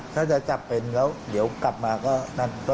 ถ้าจะจับเป็นแล้วเดี๋ยวกลับมาก็นั่น